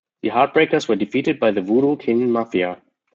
The Heartbreakers were defeated by the Voodoo Kin Mafia.